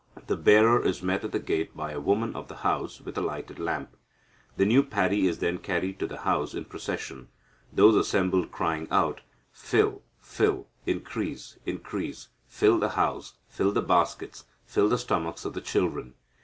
The bearer is met at the gate by a woman of the house with a lighted lamp. The new paddy is then carried to the house in procession, those assembled crying out 'Fill, fill; increase, increase; fill the house; fill the baskets; fill the stomachs of the children.'